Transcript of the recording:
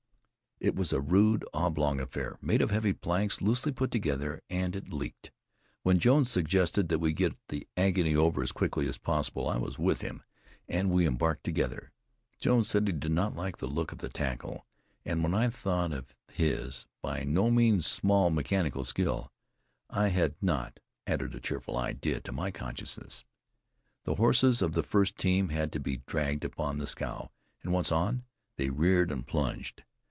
It was a rude, oblong affair, made of heavy planks loosely put together, and it leaked. When Jones suggested that we get the agony over as quickly as possible, I was with him, and we embarked together. Jones said he did not like the looks of the tackle; and when I thought of his by no means small mechanical skill, I had not added a cheerful idea to my consciousness. The horses of the first team had to be dragged upon the scow, and once on, they reared and plunged.